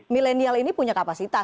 milenial ini punya kapasitas